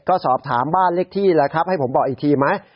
ก็สอบถามบ้านเลขที่แหละครับให้ผมบอกอีกทีไหม